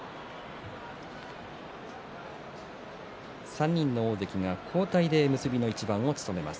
３人の大関が交代で結びの一番を務めます。